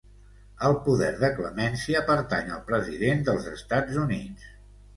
El poder de clemència pertany al president dels Estats Units.